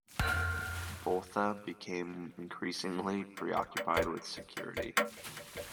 Botha became increasingly preoccupied with security.